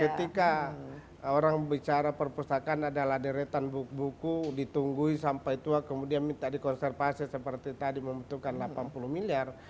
ketika orang bicara perpustakaan adalah deretan buku buku ditunggui sampai tua kemudian minta dikonservasi seperti tadi membutuhkan delapan puluh miliar